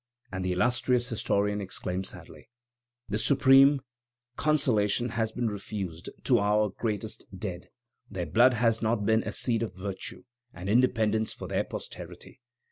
And the illustrious historian exclaims sadly: "The supreme consolation has been refused to our greatest dead; their blood has not been a seed of virtue and independence for their posterity.